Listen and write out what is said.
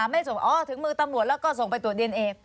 ไม่ได้จบถึงมือตำรวจแล้วก็ส่งไปตรวจดีเอนเอจากหมาก